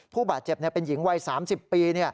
ผู้บาดเจ็บเป็นหญิงวัย๓๐ปี